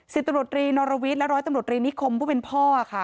สิบตำรวจรีนรวิทย์และร้อยตำรวจรีนิคมผู้เป็นพ่อค่ะ